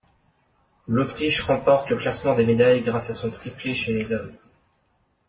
L'Autriche remporte le classement des médailles grâce à son triplé chez les hommes.